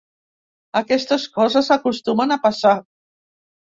Aquestes coses acostumen a passar.